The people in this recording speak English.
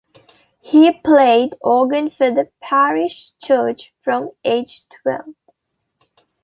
He played organ for the parish church from age twelve.